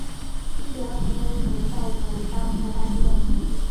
并且药材专利可能伤害大众用药权利。